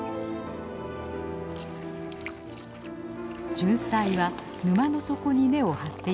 ジュンサイは沼の底に根を張っています。